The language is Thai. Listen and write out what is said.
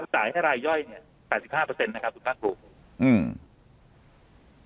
ต่างให้รายย่อยเนี่ยบาทสิบห้าเปอร์เซ็นต์นะคะพุทธฯนะครับคุณพระภูมิอืม